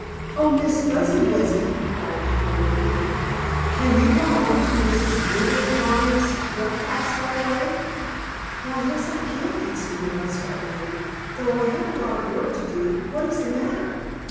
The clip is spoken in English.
"Oh, Miss Fuzzy Wuzzy!" called Uncle Wiggily. "Can you come over to Mrs. Wibblewobble's duck house right away?" "Why, yes, I can," answered the muskrat lady, "though I have a lot of work to do. What is the matter?"